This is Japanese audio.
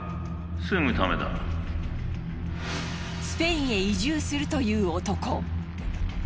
スペインへ移住するという男。